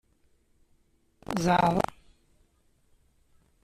Zeɛḍeɣ.